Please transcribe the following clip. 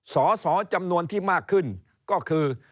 สอสอจำนวนที่มากขึ้นก็คือ